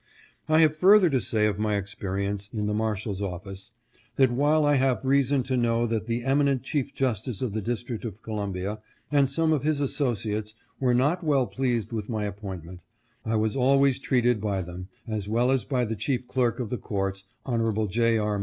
I have fur ther to say of my experience in the Marshal's office, that while I have reason to know that the eminent Chief Jus tice of the District of Columbia and some of his associates were not well pleased with my appointment, I was always treated by them, as well as by the chief clerk of the courts, Hon. J. R.